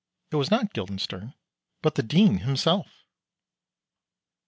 it was not Guildenstern but the Dean himself!